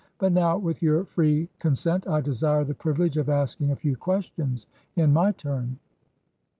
But, now, with your free con sent, I desire the privilege of asking a few questions, in my turn.'